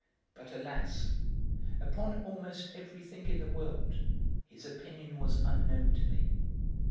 But, alas, upon almost everything in the world his opinion was unknown to me.